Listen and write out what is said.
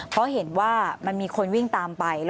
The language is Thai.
เพราะเห็นว่ามันมีคนวิ่งตามไป